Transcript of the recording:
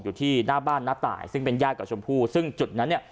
อยู่ที่หน้าบ้านน้าตายซึ่งเป็นญาติกับชมพู่ซึ่งจุดนั้นเนี่ย